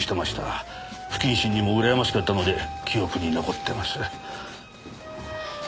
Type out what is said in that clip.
不謹慎にもうらやましかったので記憶に残ってます。